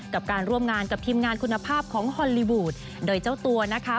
กับการร่วมงานกับทีมงานคุณภาพของฮอลลีวูดโดยเจ้าตัวนะคะ